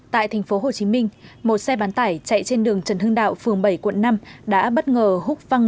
tại thành phố hồ chí minh một xe bán tải chạy trên đường trần hưng đạo phường bảy quận năm